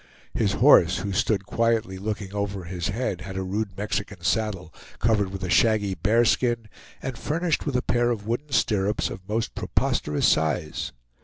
His horse, who stood quietly looking over his head, had a rude Mexican saddle, covered with a shaggy bearskin, and furnished with a pair of wooden stirrups of most preposterous size.